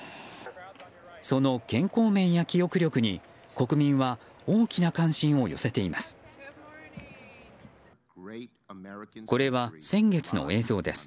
その健康面や記憶力に、国民は大きな関心を寄せています。